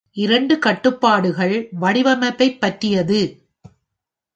இரண்டு கட்டுப்பாடுகள் வடிவமைப்பைப் பற்றியது.